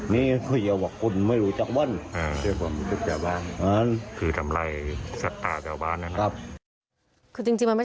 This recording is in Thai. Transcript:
นี่ผัวเยอะกับคุณไม่รู้จักว่าเนี้ย